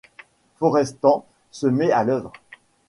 Florestan se met à l’œuvre.